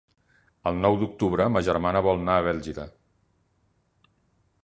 El nou d'octubre ma germana vol anar a Bèlgida.